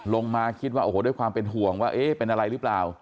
ลงมาคิดว่าโอ้โหด้วยความเป็นห่วงว่าเอ๊ะเป็นอะไรหรือเปล่า